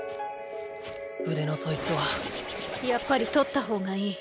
腕のそいつはやっぱり取った方がいい。